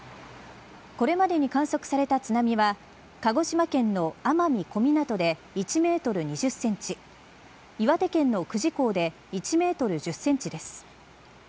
これまでに観測された津波は鹿児島県の奄美小湊で１メートル２０センチ岩手県の久慈港で１メートル１０センチです。